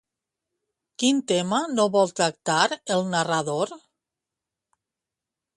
Quin tema no vol tractar el narrador?